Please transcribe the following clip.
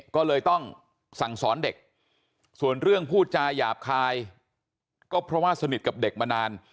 ก็เลยต้องสั่งสอนเด็กส่วนเรื่องพูดจาหยาบคายก็เพราะว่าสนิทกับเด็กมานาน